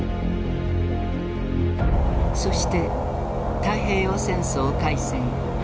そして太平洋戦争開戦。